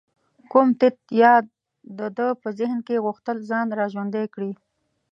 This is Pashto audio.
کوم تت یاد د ده په ذهن کې غوښتل ځان را ژوندی کړي.